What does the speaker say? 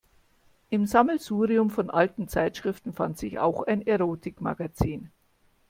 Im Sammelsurium von alten Zeitschriften fand sich auch ein Erotikmagazin.